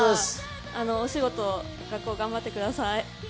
お仕事、学校、頑張ってください。